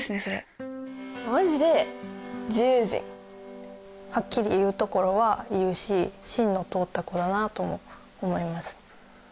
それマジで自由人はっきり言うところは言うし芯の通った子だなと思います